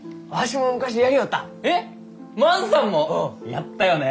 やったよね。